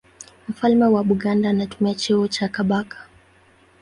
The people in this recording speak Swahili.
Mfalme wa Buganda anatumia cheo cha Kabaka.